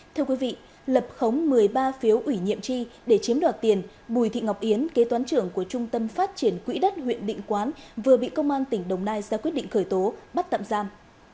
thưa quý vị lập khống một mươi ba phiếu ủy nhiệm tri để chiếm đoạt tiền bùi thị ngọc yến kế toán trưởng của trung tâm phát triển quỹ đất huyện định quán vừa bị công an tỉnh đồng nai ra quyết định khởi tố bắt tạm giam